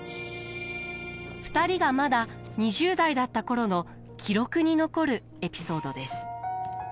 ２人がまだ２０代だった頃の記録に残るエピソードです。